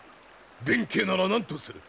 弁慶なら何とする。